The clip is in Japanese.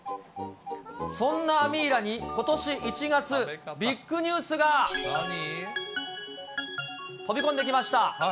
そんなアミーラにことし１月、ビッグニュースが、飛び込んできました。